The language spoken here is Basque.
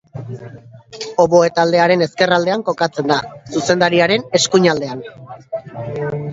Oboe taldearen ezkerraldean kokatzen da, zuzendariaren eskuinaldean.